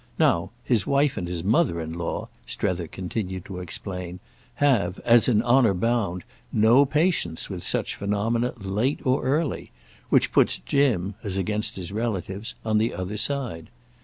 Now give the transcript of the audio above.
Now his wife and his mother in law," Strether continued to explain, "have, as in honour bound, no patience with such phenomena, late or early—which puts Jim, as against his relatives, on the other side.